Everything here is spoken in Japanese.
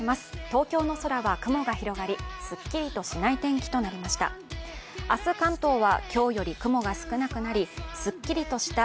東京の空は雲が広がり、すっきりとしない天気となりました。